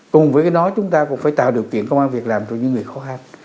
cùng với đó chúng ta cũng phải tạo điều kiện công an việc làm cho những người khó khăn